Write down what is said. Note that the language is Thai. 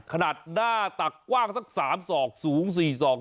ขนาดหน้าตักกว้างสัก๓ศอกสูง๔ศอก